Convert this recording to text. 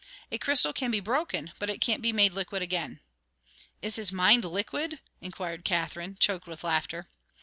A crystal can be broken, but it can't be made liquid again." "Is his mind liquid?" inquired Katherine, choked with laughter.